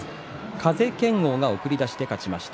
風賢央が送り出しで勝ちました。